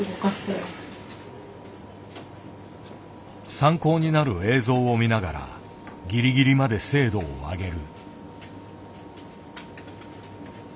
参考になる映像を見ながらギリギリまで精度を上げる。